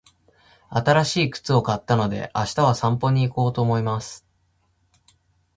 新しい靴を買ったので、明日は散歩に行こうと思います。